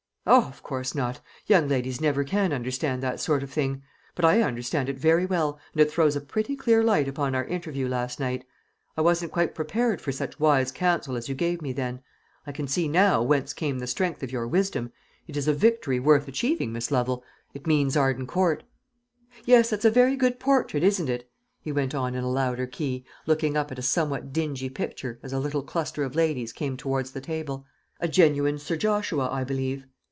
"O, of course not; young ladies never can understand that sort of thing. But I understand it very well, and it throws a pretty clear light upon our interview last night. I wasn't quite prepared for such wise counsel as you gave me then. I can see now whence came the strength of your wisdom. It is a victory worth achieving, Miss Lovel. It means Arden Court. Yes, that's a very good portrait, isn't it?" he went on in a louder key, looking up at a somewhat dingy picture, as a little cluster of ladies came towards the table; "a genuine Sir Joshua, I believe."